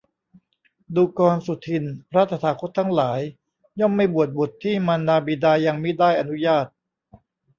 ดูกรสุทินน์ พระตถาคตทั้งหลาย ย่อมไม่บวชบุตรที่มารดาบิดายังมิได้อนุญาต